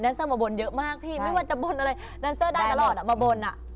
เซอร์มาบนเยอะมากพี่ไม่ว่าจะบนอะไรแนนเซอร์ได้ตลอดมาบนอ่ะ